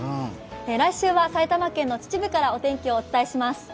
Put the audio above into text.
来週は埼玉県の秩父からお天気をお伝えします。